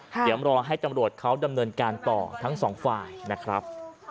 เดี๋ยวรอให้ตำรวจเขาดำเนินการต่อทั้งสองฝ่ายนะครับ